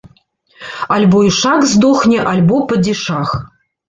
Альбо ішак здохне, альбо падзішах.